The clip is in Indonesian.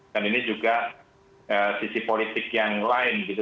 dan ini juga sisi politik yang lain gitu